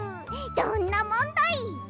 どんなもんだい！